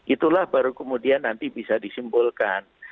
itulah baru kemudian nanti bisa disimpulkan